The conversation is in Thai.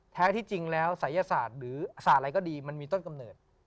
แท้ที่จริงแล้วศัยศาสตร์หรือศาสตร์อะไรก็ดีมันมีต้นกำเนิด